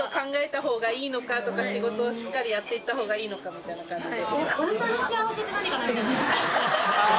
みたいな感じで。